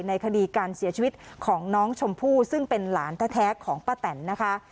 ในคดีการเสียชีวิตของน้องชมพู่ซึ่งเป็นหลานแท้ของป้าแตนนะคะ